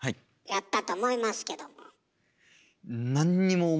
やったと思いますけども。